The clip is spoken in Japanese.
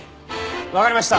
わかりました。